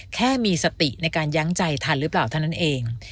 แค่มีสติในการยั้งใจทันหรือเปล่าเท่านั้นเอง